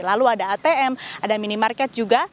lalu ada atm ada minimarket juga